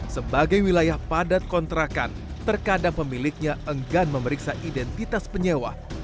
sebagai wilayah padat kontrakan terkadang pemiliknya enggan memeriksa identitas penyewa